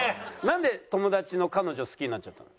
なんで友達の彼女好きになっちゃったの？